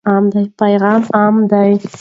پیغام عام دی.